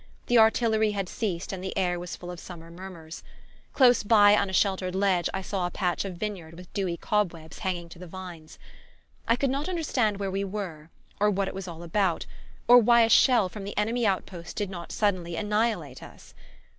The artillery had ceased and the air was full of summer murmurs. Close by on a sheltered ledge I saw a patch of vineyard with dewy cobwebs hanging to the vines. I could not understand where we were, or what it was all about, or why a shell from the enemy outpost did not suddenly annihilate us.